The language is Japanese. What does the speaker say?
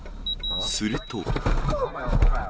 すると。